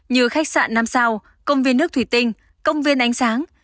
như khách sạn năm sao công viên nước thủy tinh công viên ánh sáng